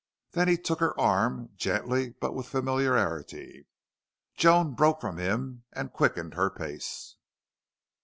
Then he took her arm, gently, but with familiarity. Joan broke from him and quickened her pace.